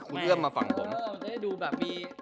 คุณเลือกมาฟังผม